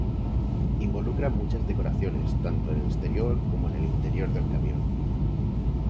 Involucra muchas decoraciones, tanto en el exterior como en el interior del camión.